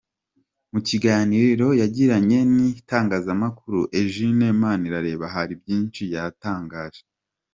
Mu kiganiro yagiranye n'Itangazamakuru, Eugene Manirareba hari byinshi yatangaje.